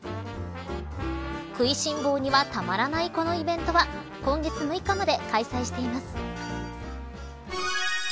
食いしんぼうにはたまらない、このイベントは今月６日まで開催しています。